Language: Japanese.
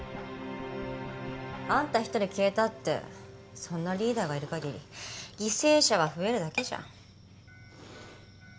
あんた一人消えたってそんなリーダーがいる限り犠牲者は増えるだけじゃん。